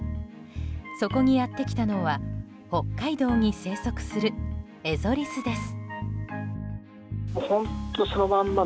そこにやってきたのは北海道に生息するエゾリスです。